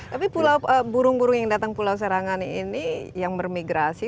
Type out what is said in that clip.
tapi burung burung yang datang pulau serangan ini yang bermigrasi